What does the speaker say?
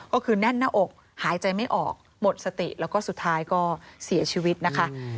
ก็คือแน่นหน้าอกหายใจไม่ออกหมดสติแล้วก็สุดท้ายก็เสียชีวิตนะคะ